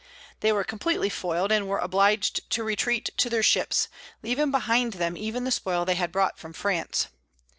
They were completely foiled, and were obliged to retreat to their ships, leaving behind them even the spoil they had brought from France.